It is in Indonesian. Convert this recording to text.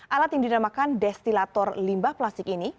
alat yang dinamakan destilator limbah plastik ini